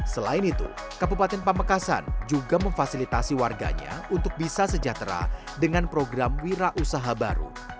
selain itu kabupaten pamekasan juga memfasilitasi warganya untuk bisa sejahtera dengan program wira usaha baru